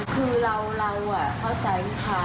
คือเราเราอ่ะเข้าใจมันคะ